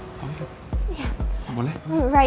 boleh antriin aku ke toilet sekarang